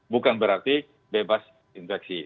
bukan berarti bebas infeksi